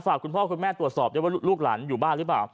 คุณพ่อคุณแม่ตรวจสอบด้วยว่าลูกหลานอยู่บ้านหรือเปล่า